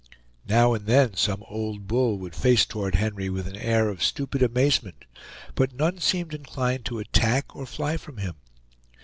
Now and then some old bull would face toward Henry with an air of stupid amazement, but none seemed inclined to attack or fly from him.